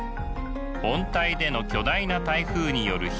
温帯での巨大な台風による被害。